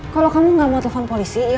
kalau kamu gak mau telepon polisi yaudah